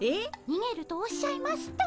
にげるとおっしゃいますと？